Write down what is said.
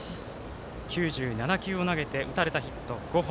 ９７球を投げて打たれたヒットは５本。